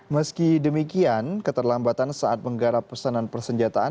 meski demikian keterlambatan saat menggarap pesanan persenjataan